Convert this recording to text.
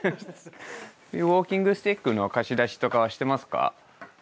ウォーキングスティックの貸し出しとかはしてますか？